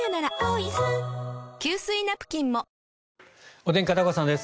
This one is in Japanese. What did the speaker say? お天気、片岡さんです。